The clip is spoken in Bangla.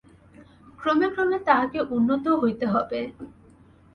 ক্রমে ক্রমে তাহাকে উন্নত হইতে হইবে।